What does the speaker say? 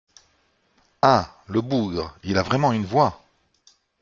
Ah ! le bougre, il a vraiment une voix !